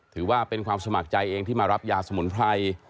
ถือว่าเป็นความสมัครใจเองที่มารับยาสมุนไพร